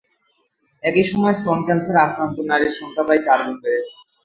একই সময়ে স্তন ক্যানসারে আক্রান্ত নারীর সংখ্যা প্রায় চার গুণ বেড়েছে।